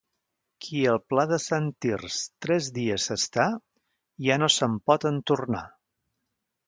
Qui al Pla de Sant Tirs tres dies s'està, ja no se'n pot entornar.